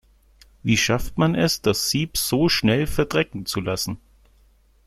Wie schafft man es, das Sieb so schnell verdrecken zu lassen?